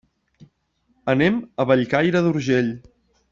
Anem a Bellcaire d'Urgell.